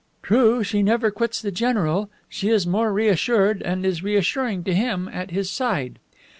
True, she never quits the general. She is more reassured, and is reassuring to him, at his side.